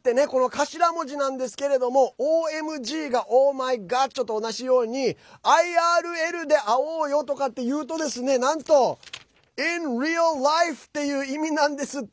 頭文字なんですけどＯＭＧがオーマイガッチョなのと同じようにＩＲＬで会おうよ！とかって言うとＩｎＲｅａｌＬｉｆｅという意味なんですって。